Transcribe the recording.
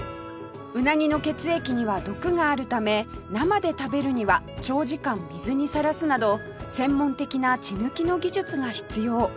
鰻の血液には毒があるため生で食べるには長時間水にさらすなど専門的な血抜きの技術が必要